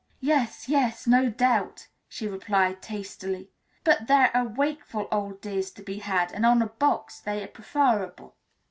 "Yes, yes, no doubt," she replied tastily; "but there are wakeful old dears to be had, and on a box they are preferable."